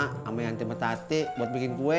sama yang temen tati buat bikin kue